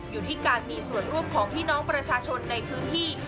อยู่ที่การมีส่วนร่วมของพี่น้องประชาชนในพื้นที่